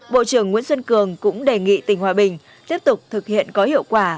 bộ trưởng nguyễn xuân cường cũng đề nghị tỉnh hòa bình tiếp tục thực hiện có hiệu quả